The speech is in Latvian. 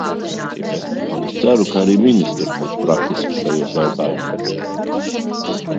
Un es ceru, ka arī ministrs būs praktisks šajos jautājumos.